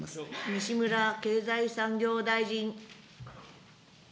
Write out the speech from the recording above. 西村経済産業大臣。